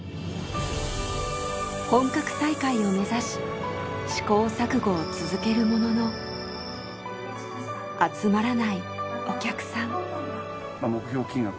本格再開を目指し試行錯誤を続けるものの集まらないお客さん。